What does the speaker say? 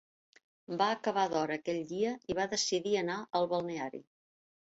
Va acabar d'hora aquell dia i va decidir anar al balneari.